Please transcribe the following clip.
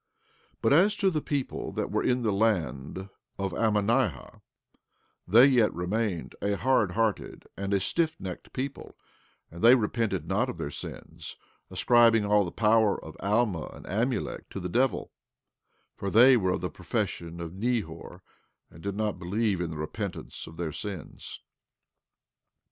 15:15 But as to the people that were in the land of Ammonihah, they yet remained a hard hearted and a stiffnecked people; and they repented not of their sins, ascribing all the power of Alma and Amulek to the devil; for they were of the profession of Nehor, and did not believe in the repentance of their sins.